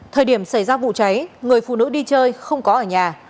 thời điểm xảy ra vụ cháy người phụ nữ đi chơi không có ở nhà